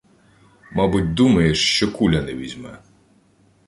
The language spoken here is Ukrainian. Мабуть, думаєш, що куля не візьме.